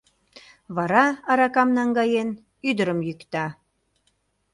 Вара, аракам наҥгаен, ӱдырым йӱкта.